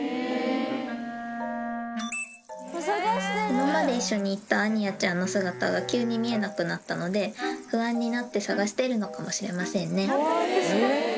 今まで一緒にいたアニヤちゃんの姿が急に見えなくなったので、不安になって探してるのかもしれませんね。